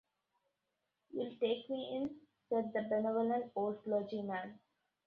‘You’ll take me in?’ said the benevolent old clergyman.